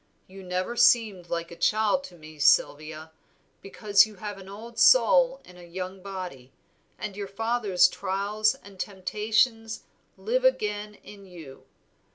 You never seemed a child to me, Sylvia, because you have an old soul in a young body, and your father's trials and temptations live again in you.